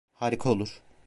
Harika olur.